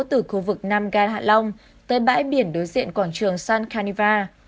từ khu vực nam gan hạ long tới bãi biển đối diện quảng trường san caniva